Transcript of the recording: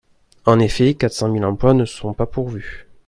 En effet, quatre cent mille emplois ne sont pas pourvus